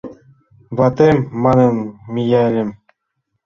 «Ватем!» манын мияльым.